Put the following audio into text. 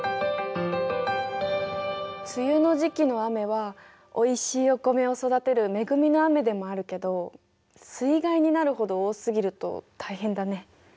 梅雨の時期の雨はおいしいお米を育てる恵みの雨でもあるけど水害になるほど多すぎると大変だね。